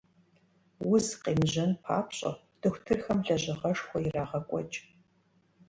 Уз къемыжьэн папщӀэ, дохутырхэм лэжьыгъэшхуэ ирагъэкӀуэкӀ.